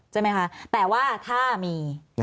ใช่ไหมคะแต่ว่าถ้ามี